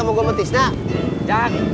mau gue petis nak